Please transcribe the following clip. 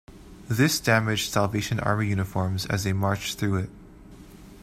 This damaged Salvation Army uniforms as they marched through it.